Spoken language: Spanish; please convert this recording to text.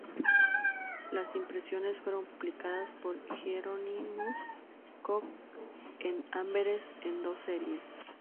Las impresiones fueron publicadas por Hieronymus Cock en Amberes en dos series.